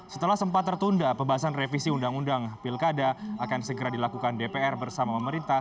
setelah sempat tertunda pembahasan revisi undang undang pilkada akan segera dilakukan dpr bersama pemerintah